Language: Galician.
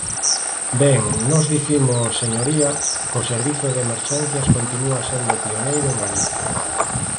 Ben, nós dicimos, señoría, que o servizo de emerxencias continúa sendo pioneiro en Galicia.